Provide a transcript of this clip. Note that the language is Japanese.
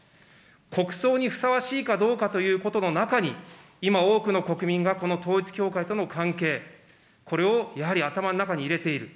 国葬にふさわしいかどうかということの中に、今、多くの国民がこの統一教会との関係、これをやはり頭の中に入れている。